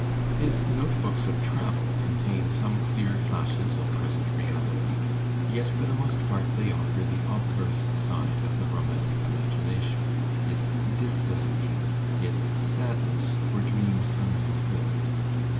His notebooks of travel con tain some clear fiashes of present reality, yet for the most part they oflfer the obverse side of the romantic imagination, its disillusion, its sadness for dreams unfulfilled.